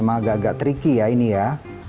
agak agak tricky ya ini ya